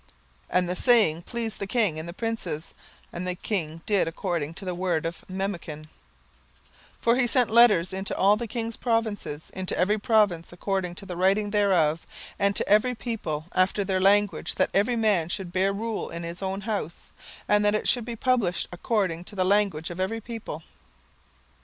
17:001:021 And the saying pleased the king and the princes; and the king did according to the word of Memucan: 17:001:022 For he sent letters into all the king's provinces, into every province according to the writing thereof, and to every people after their language, that every man should bear rule in his own house, and that it should be published according to the language of every people.